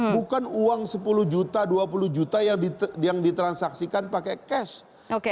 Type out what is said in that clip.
bukan uang sepuluh juta dua puluh juta yang ditransaksikan pakai cash